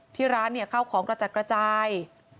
ที่ร้านเนี่ยเข้าของกระจัดกระจาย